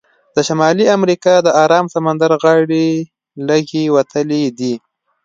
د شمالي امریکا د ارام سمندر غاړې لږې وتلې دي.